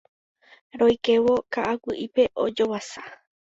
Roikévo ka'aguy'ípe ajovasa.